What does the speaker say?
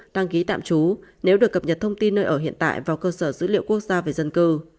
đăng ký tạm trú nếu được cập nhật thông tin nơi ở hiện tại vào cơ sở dữ liệu quốc gia về dân cư